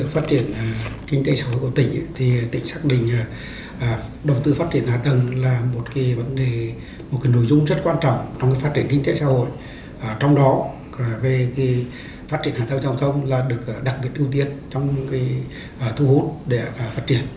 vì vậy phát triển hạ tầng giao thông là được đặc biệt ưu tiên trong thu hút để phát triển